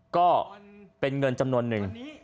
ก็เป็นเงินจำนวนหนึ่ง